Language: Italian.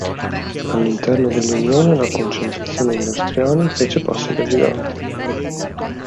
All'interno dell'Unione la concentrazione industriale fece passi da gigante.